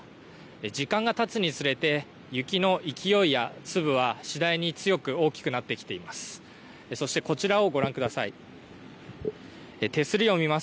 時間がたつにつれて雪の勢いや粒は次第に強く大きくなってきています。